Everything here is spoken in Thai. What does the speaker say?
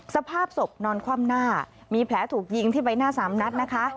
สภาพศพนอนคว่ำหน้ามีแผลถูกยิงที่ใบหน้า๓นัดนะคะ